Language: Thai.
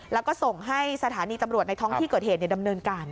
แล้วก็ส่งให้สถานีตำรวจในท้องที่เกิดเหตุดำเนินการ